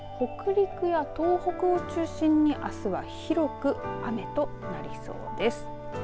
北陸や東北を中心にあすは広く雨となりそうです。